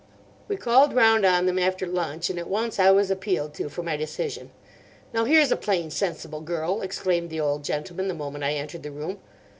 "We called round on them after lunch, and at once I was appealed to for my decision. "'Now, here's a plain sensible girl,' exclaimed the old gentleman the moment I entered the room.